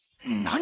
何？